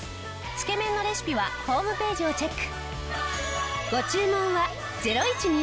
つけ麺のレシピはホームページをチェック！